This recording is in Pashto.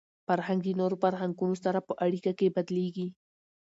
فرهنګ د نورو فرهنګونو سره په اړیکه کي بدلېږي.